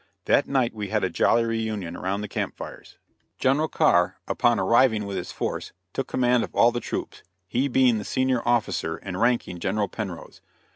That night we had a jolly reunion around the camp fires. General Carr, upon arriving with his force, took command of all the troops, he being the senior officer and ranking General Penrose.